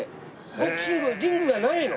ボクシングのリングがないの。